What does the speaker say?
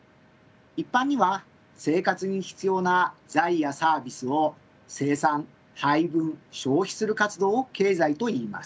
一般には生活に必要な財やサービスを生産・配分・消費する活動を経済といいます。